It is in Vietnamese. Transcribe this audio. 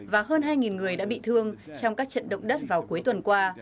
và hơn hai người đã bị thương trong các trận động đất vào cuối tuần qua